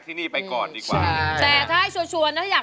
ที่นั่งคุณพลันพลาวนะคะ